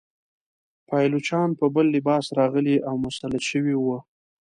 پایلوچان په بل لباس راغلي او مسلط شوي وه.